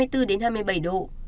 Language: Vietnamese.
từ hai mươi bốn đến hai mươi bảy độ